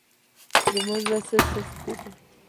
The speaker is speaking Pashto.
زما زړه سست سست کېدو.